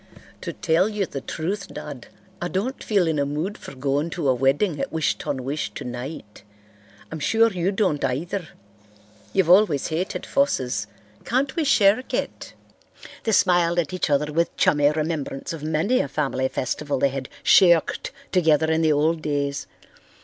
To tell you the truth, Dad, I don't feel in a mood for going to a wedding at Wish ton wish tonight. I'm sure you don't either. You've always hated fusses. Can't we shirk it?" They smiled at each other with chummy remembrance of many a family festival they had "shirked" together in the old days.